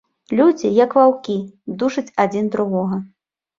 Людзі, як ваўкі, душаць адзін другога.